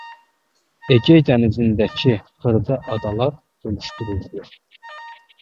Egey dənizindəki xırda adalar bölüşdürüldü.